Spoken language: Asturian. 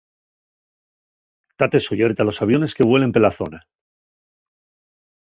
Tate sollerte a los aviones que vuelen pela zona.